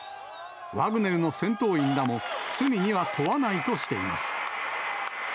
ワグネルの戦闘員らも罪には問わないとしています。